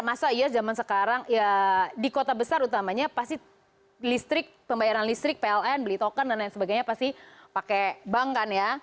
masa iya zaman sekarang ya di kota besar utamanya pasti listrik pembayaran listrik pln beli token dan lain sebagainya pasti pakai bank kan ya